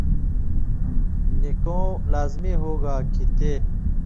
نِکؤں لازمی ہُوگا کھیں تے